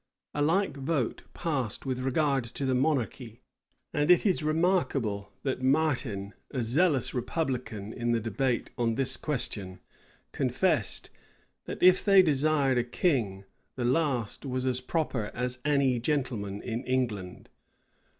A like vote passed with regard to the monarchy; and it is remarkable, that Martin, a zealous republican, in the debate on this question, confessed, that if they desired a king, the last was as proper as any gentleman in England.